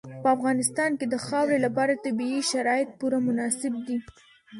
په افغانستان کې د خاورې لپاره طبیعي شرایط پوره مناسب دي.